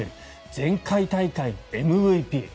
前回大会のＭＶＰ。